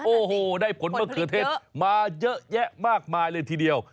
โอ้โหได้ผลมะเขือเทศมาเยอะแยะมากมายเลยทีเดียว